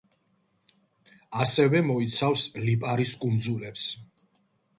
ასევე მოიცავს ლიპარის კუნძულებს.